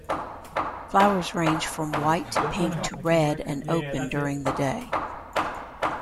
Flowers range from white to pink to red and open during the day.